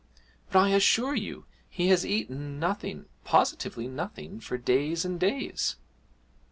'But I assure you he has eaten nothing positively nothing for days and days!'